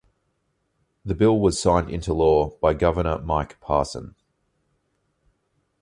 The bill was signed into law by governor Mike Parson.